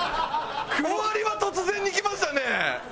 終わりは突然にきましたね！